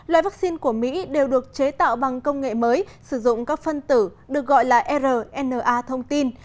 loại vaccine của mỹ đều được chế tạo bằng công nghệ mới sử dụng các phân tử được gọi là rna thông tin